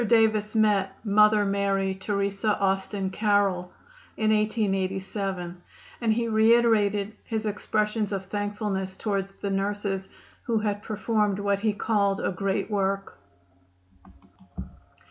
Davis met Mother Mary Teresa Austen Carroll in 1887, and he reiterated his expressions of thankfulness toward the sisters who had performed what he called a great work.